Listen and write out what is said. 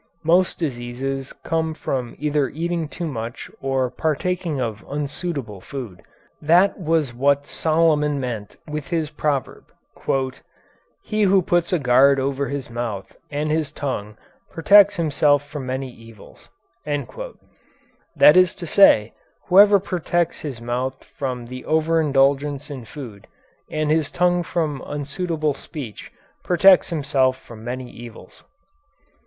Most diseases come from either eating too much or partaking of unsuitable food. That was what Solomon meant with his proverb: "He who puts a guard over his mouth and his tongue protects himself from many evils," that is to say, whoever protects his mouth from the overindulgence in food and his tongue from unsuitable speech protects himself from many evils.